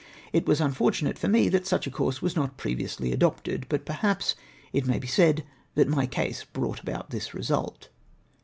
It was unfortunate for me that such a course was not previously adopted, but, perhaps, it may be said, that my case brought about this result.